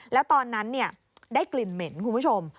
แล้วตอนนั้นได้กลิ่นเหม็นคุณผู้ชม